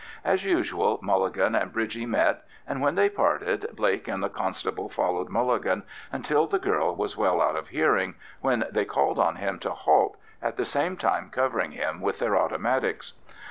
As usual, Mulligan and Bridgie met, and when they parted Blake and the constable followed Mulligan until the girl was well out of hearing, when they called on him to halt, at the same time covering him with their automatics.